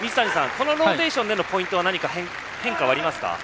このローテーションでのポイントは何か変化はありますか。